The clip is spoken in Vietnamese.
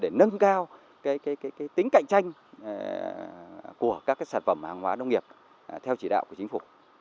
để nâng cao tính cạnh tranh của các sản phẩm hàng hóa nông nghiệp theo chỉ đạo của chính phủ